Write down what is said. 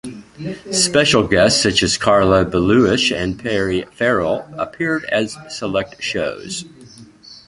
Special guests such as Carla Bozulich and Perry Farrell appeared at select shows.